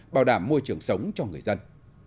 bảo đảm môi trường sống cho người dân